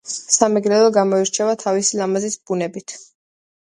სამეგრელო გამოირჩევა თავისი ლამაზი ბუნებით